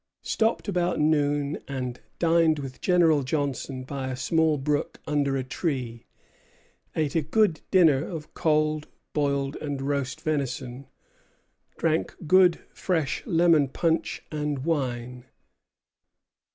"Stopped about noon and dined with General Johnson by a small brook under a tree; ate a good dinner of cold boiled and roast venison; drank good fresh lemon punch and wine."